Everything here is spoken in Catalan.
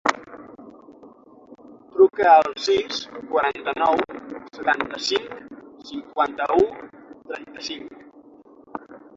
Truca al sis, quaranta-nou, setanta-cinc, cinquanta-u, trenta-cinc.